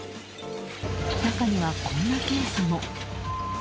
中には、こんなケースも。